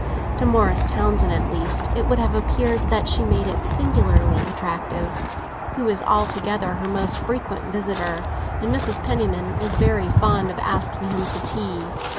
To Morris Townsend, at least, it would have appeared that she made it singularly attractive. He was altogether her most frequent visitor, and Mrs. Penniman was very fond of asking him to tea.